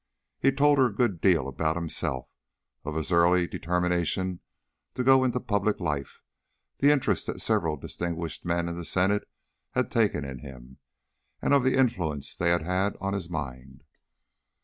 He told her a good deal about himself, of his early determination to go into public life, the interest that several distinguished men in his State had taken in him, and of the influence they had had on his mind.